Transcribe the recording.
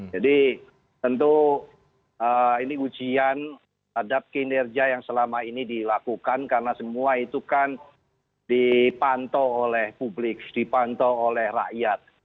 jadi tentu ini ujian terhadap kinerja yang selama ini dilakukan karena semua itu kan dipantau oleh publik dipantau oleh rakyat